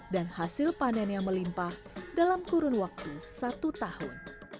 dan hasil panen yang melimpah dalam kurun waktu satu tahun